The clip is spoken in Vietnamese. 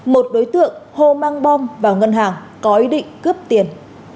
một đối tượng hồ mang bom vào ngân hàng có ý định cướp tiền